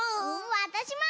わたしも！